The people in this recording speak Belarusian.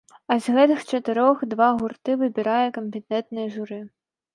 А з гэтых чатырох два гурты выбірае кампетэнтнае журы.